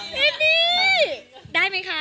พี่ได้ไหมคะ